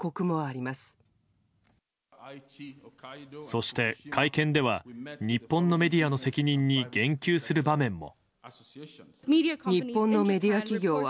そして、会見では日本のメディアの責任に言及する場面も。